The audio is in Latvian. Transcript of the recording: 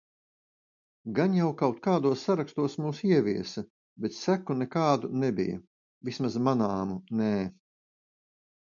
Gan jau kaut kādos sarakstos mūs ieviesa, bet seku nekādu nebija. Vismaz manāmu nē.